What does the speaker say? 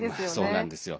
そうなんですよ。